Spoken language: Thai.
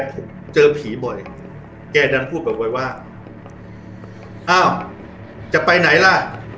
ผมเจอผีบ่อยแกดันพูดบ่อยว่าอ้าวจะไปไหนล่ะ